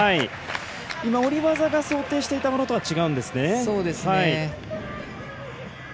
今、下り技が想定していたものと違うんですね。